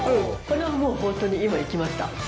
これはもうホントに今いきました。